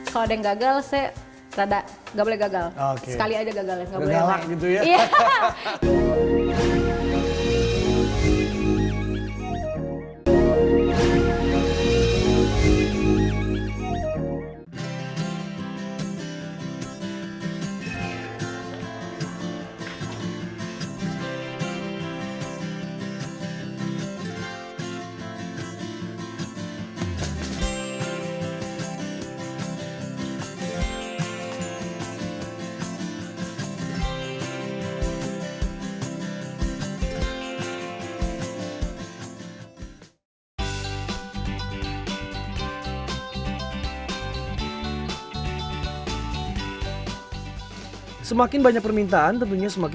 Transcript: kalau ada yang gagal